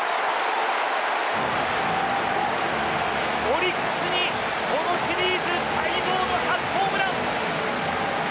オリックスにこのシリーズ待望の初ホームラン！